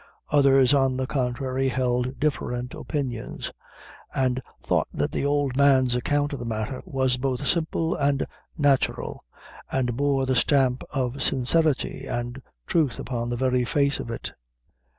Others, on the contrary held different opinions; and thought that the old man's account of the matter was both simple and natural, and bore the stamp of sincerity and truth upon the very face of it.